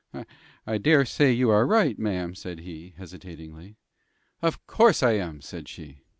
"I dare say you are right, ma'am," said he, hesitatingly. "Of course I am," said she.